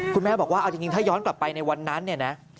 คุณแม่บอกว่าเอาจริงถ้าย้อนกลับไปในวันนั้นเนี่ยนะ